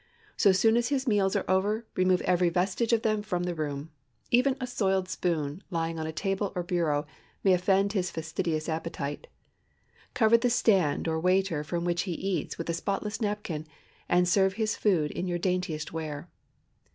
So soon as his meals are over, remove every vestige of them from the room. Even a soiled spoon, lying on table or bureau, may offend his fastidious appetite. Cover the stand or waiter from which he eats with a spotless napkin, and serve his food in your daintiest ware.